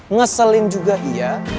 ngeselin juga iya